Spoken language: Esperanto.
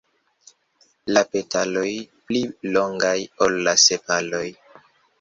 La petaloj pli longas ol la sepaloj.